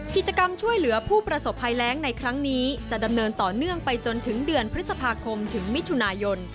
กิจกรรมช่วยเหลือผู้ประสบภัยแรงในครั้งนี้จะดำเนินต่อเนื่องไปจนถึงเดือนพฤษภาคมถึงมิถุนายน